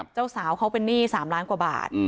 เจ้าสาวเขาเป็นหนี้๓ล้านกว่าบาท